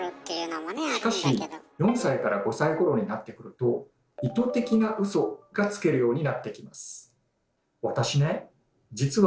しかし４歳５歳ごろになってくると「意図的なウソ」がつけるようになってきます。